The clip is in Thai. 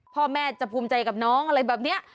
พ่อแม่จะภูมิใจกับน้องอะไรแบบนี้